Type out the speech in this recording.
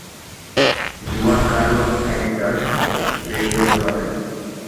জুয়ান Carlos amateur radio ব্যবহারকারী।